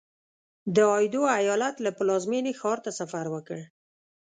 د ایدو ایالت له پلازمېنې ښار ته سفر وکړ.